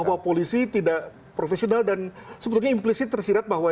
bahwa polisi tidak profesional dan sebetulnya implisit tersirat bahwa